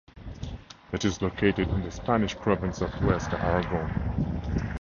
It is located in the Spanish province of Huesca (Aragon).